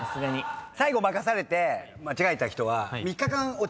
最後任されて間違えた人は。